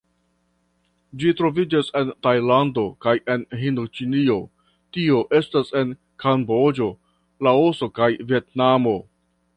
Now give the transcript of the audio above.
Ĝi troviĝas en Tajlando kaj en Hindoĉinio, tio estas en Kamboĝo, Laoso kaj Vjetnamo.